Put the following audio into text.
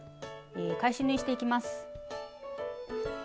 え返し縫いしていきます。